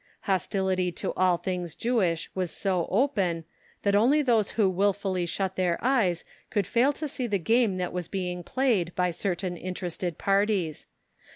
Hostility to all things Jewish was so open, that only those who wilfully shut their eyes could fail to see the game that was being played by certain interested parties.